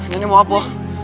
nenek mau apa